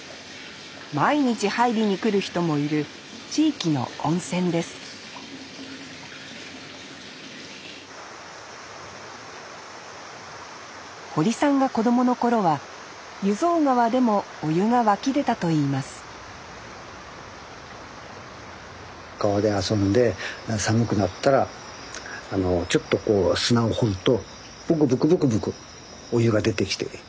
毎日入りに来る人もいる地域の温泉です堀さんが子どもの頃は湯蔵川でもお湯が湧き出たといいます川で遊んで寒くなったらちょっと砂を掘るとブクブクブクブクお湯が出てきて。